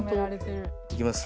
いきます。